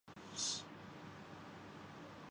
Armenia کا موسم گرما کا وقت